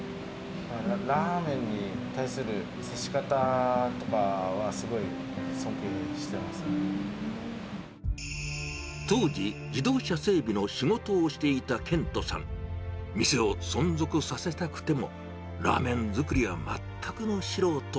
ラーメンに対する接し方とかは、当時、自動車整備の仕事をしていた研人さん、店を存続させたくても、ラーメン作りは全くの素人。